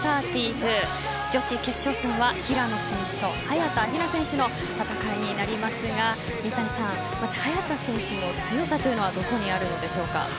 女子決勝戦は平野選手と早田ひな選手の戦いになりますが水谷さん、早田選手の強さというのはどこにありますか。